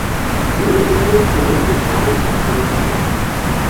Il a également tenu quelques rôles pour la télévision.